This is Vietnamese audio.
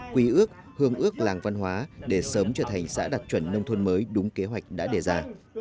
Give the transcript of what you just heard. quy ước hương ước làng văn hóa để sớm trở thành xã đạt chuẩn nông thôn mới đúng kế hoạch đã đề ra